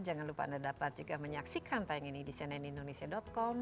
jangan lupa anda dapat juga menyaksikan tayang ini di cnnindonesia com